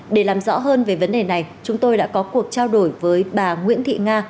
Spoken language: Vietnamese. để làm rõ hơn về vấn đề này chúng tôi đã có cuộc trao đổi với bà nguyễn thị nga